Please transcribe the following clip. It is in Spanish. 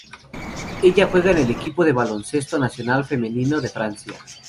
Ella juega en el equipo de baloncesto nacional femenino de Francia.